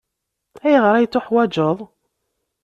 Ayɣer ay t-teḥwajeḍ?